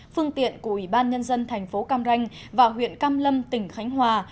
phương tiện của ủy ban nhân dân thành phố cam ranh và huyện cam lâm tỉnh khánh hòa